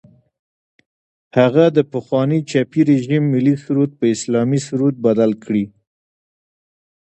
هغه د پخواني چپي رژیم ملي سرود په اسلامي سرود بدل کړي.